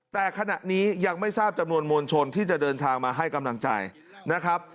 แต่ขณะนี้ยังไม่ทราบจำนวนมวลชนที่จะเดินทางมาให้กำลังใจนะครับ